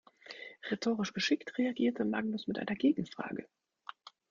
Rhetorisch geschickt reagierte Magnus mit einer Gegenfrage.